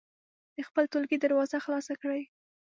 د خپل ټولګي دروازه خلاصه کړئ.